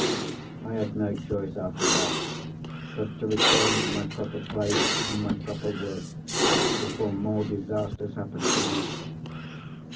"I had no choice, after that, but to return to my proper place and my proper work, before more disasters happened to me.